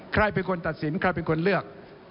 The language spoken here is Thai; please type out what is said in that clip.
ใครเป็นคนตัดสินใครเป็นคนเลือก